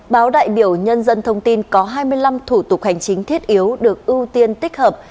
báo đại biểu nhân dân thông tin có hai mươi năm thủ tục hành chính thiết yếu được ưu tiên tích hợp